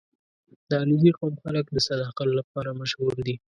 • د علیزي قوم خلک د صداقت لپاره مشهور دي.